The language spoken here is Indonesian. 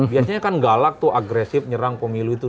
biasanya kan galak tuh agresif nyerang pemilu itu